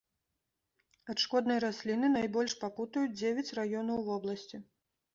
Ад шкоднай расліны найбольш пакутуюць дзевяць раёнаў вобласці.